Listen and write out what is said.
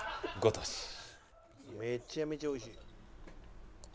めちゃめちゃ美味しい。